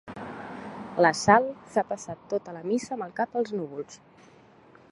La Sal s'ha passat tota la missa amb el cap als núvols.